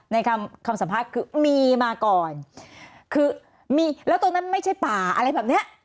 ในคำคำสัมภาษณ์คือมีมาก่อนคือมีแล้วตรงนั้นไม่ใช่ป่าอะไรแบบเนี้ย